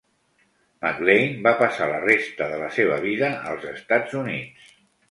MacLane va passar la resta de la seva vida als Estats Units.